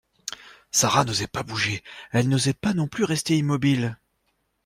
Sara n’osait pas bouger, elle n’osait pas non plus rester immobile.